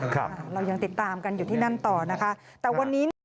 ครับเรายังติดตามกันอยู่ที่นั่นต่อนะคะ